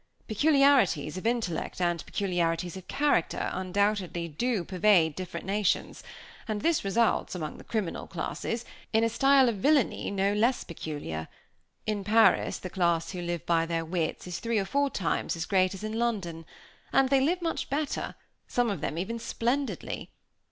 "Peculiarities of intellect and peculiarities of character, undoubtedly, do pervade different nations; and this results, among the criminal classes, in a style of villainy no less peculiar. In Paris the class who live by their wits is three or four times as great as in London; and they live much better; some of them even splendidly.